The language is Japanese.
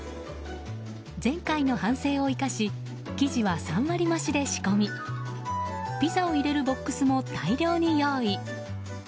前回の反省を生かし生地は３割増しで仕込みピザを入れるボックスも大量に用意。